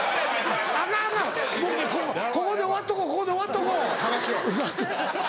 ここで終わっとこうここで終わっとこう。